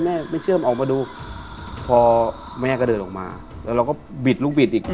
แม่ไม่เชื่อมออกมาดูพอแม่ก็เดินออกมาแล้วเราก็บิดลูกบิดอีก